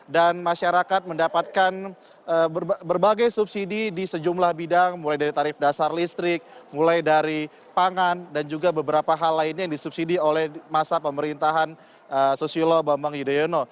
dan masyarakat mendapatkan berbagai subsidi di sejumlah bidang mulai dari tarif dasar listrik mulai dari pangan dan juga beberapa hal lainnya yang disubsidi oleh masa pemerintahan susiul lepamung yudeno